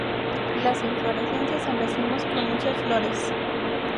La inflorescencias en racimos con muchas flores.